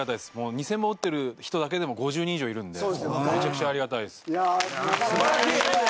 ２０００本打ってる人だけでも５０人以上いるんでめちゃくちゃありがたいです。